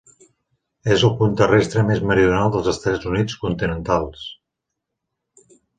És el punt terrestre més meridional dels Estats Units continentals.